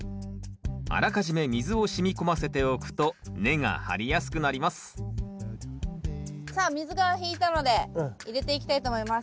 あらかじめ水をしみ込ませておくと根が張りやすくなりますさあ水が引いたので入れていきたいと思います。